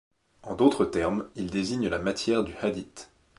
En d'autres termes, il désigne la matière du hadith.